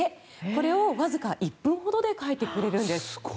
これをわずか１分ほどで描いてくれるんです。